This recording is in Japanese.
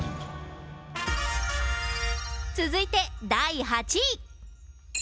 続いて第８位。